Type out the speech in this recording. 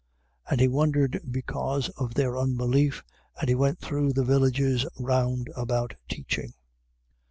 And he wondered because of their unbelief, and he went through the villages round about teaching.